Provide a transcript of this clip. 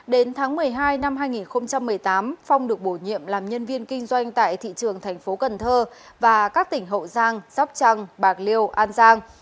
đến tháng một mươi hai năm hai nghìn một mươi tám phong được bổ nhiệm làm nhân viên kinh doanh tại thị trường tp cn và các tỉnh hậu giang sóc trăng bạc liêu an giang